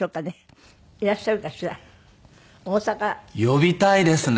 呼びたいですね。